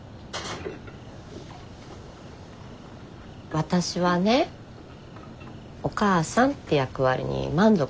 わたしはね「お母さん」って役割に満足してる。